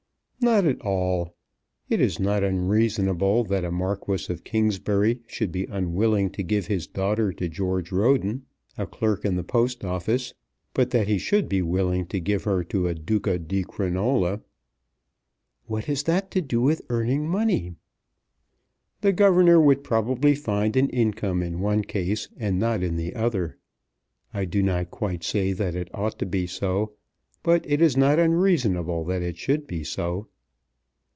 "Not at all. It is not unreasonable that a Marquis of Kingsbury should be unwilling to give his daughter to George Roden, a clerk in the Post Office, but that he should be willing to give her to a Duca di Crinola." "What has that to do with earning money?" "The Governor would probably find an income in one case, and not in the other. I do not quite say that it ought to be so, but it is not unreasonable that it should be so."